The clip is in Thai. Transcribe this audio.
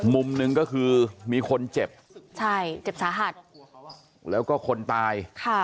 มุมนึงก็คือมีคนเจ็บแล้วก็คนตาย